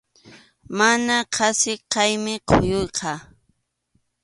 Mana qasi kaymi kuyuyqa.